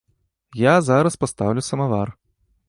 Я зараз пастаўлю самавар.